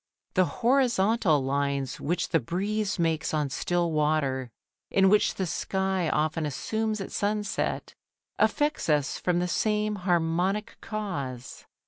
The horizontal lines which the breeze makes on still water, and which the sky often assumes at sunset, affect us from the same harmonic cause.